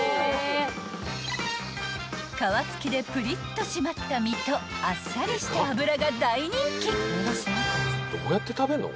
［皮付きでぷりっと締まった身とあっさりした脂が大人気］